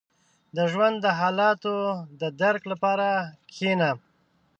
• د ژوند د حالاتو د درک لپاره کښېنه.